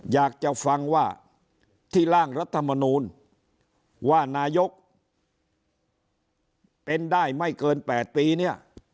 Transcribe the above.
อยากจะฟังว่าที่ร่างรัฐมนูลว่านายกเป็นได้ไม่เกิน๘ปีเนี่ย